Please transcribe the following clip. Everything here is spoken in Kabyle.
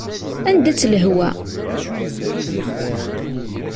Anda-tt lehwa?